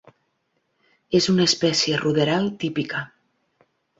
És una espècie ruderal típica.